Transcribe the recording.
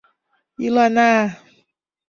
Илана